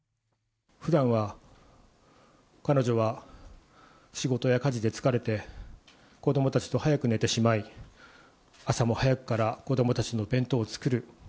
ふだんは彼女は仕事や家事で疲れて、子どもたちと早く寝てしまい、朝も早くから子どもたちの弁当を作る。